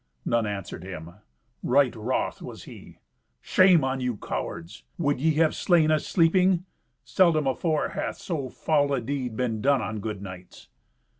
None answered him. Right wroth was he. "Shame on you, cowards! Would ye have slain us sleeping? Seldom afore hath so foul a deed been done on good knights."